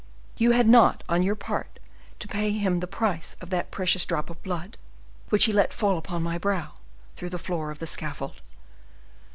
You had not, on your part, to pay him the price of that precious drop of blood which he let fall upon my brow, through the floor of the scaffold.